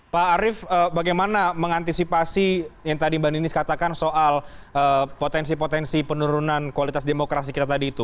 pak arief bagaimana mengantisipasi yang tadi mbak ninis katakan soal potensi potensi penurunan kualitas demokrasi kita tadi itu